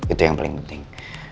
itu yang paling penting